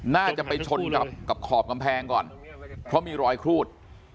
น่าจะไปชนกับขอบกำแพงก่อนเพราะมีรอยครูด